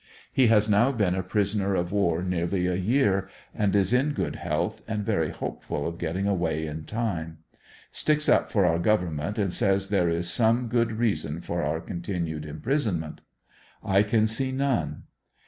He has now been a prisoner of war nearly a year, and is in good health and very hopeful of getting away in time. Sticks up for our government and says there is some good reason for our continued imprisonment. I can see none.